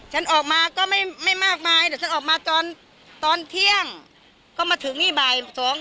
ฉันออกมาก็ไม่มากมายเดี๋ยวฉันออกมาตอนตอนเที่ยงก็มาถึงนี่บ่ายสอง